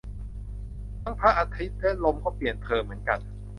ทั้งพระอาทิตย์และลมก็เปลี่ยนเธอเหมือนกัน